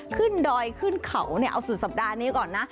ดอยขึ้นเขาเอาสุดสัปดาห์นี้ก่อนนะ